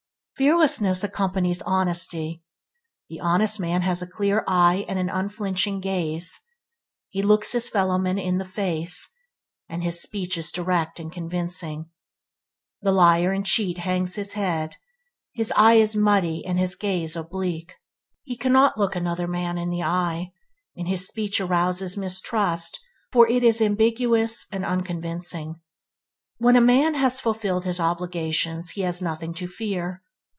Fearlessness accompanies honesty. The honest man has a clear eye and an unflinching gaze. He looks his fellowmen in the face, and his speech is direct and convincing. The liar and cheat hangs his head; his eye is muddy and his gaze oblique. He cannot look another man in the eye, and his speech arouses mistrust, for it is ambiguous and unconvincing. When a man has fulfilled his obligations, he has nothing to fear.